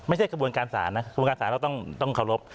ไม่ใช่กระบวนการศาลนะกระบวนการศาลเราต้องเคารพ